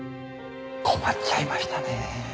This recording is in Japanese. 困っちゃいましたねぇ。